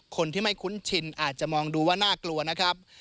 คนที่ไม่คุ้นชินอาจจะมองดูว่าน่ากลัวนะครับ